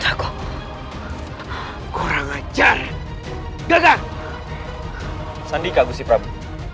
jangan lagi membuat onar di sini